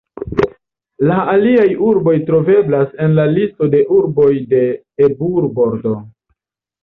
La aliaj urboj troveblas en la Listo de urboj de Ebur-Bordo.